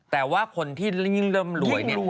แต่ว่าคนที่ยิ่งรวย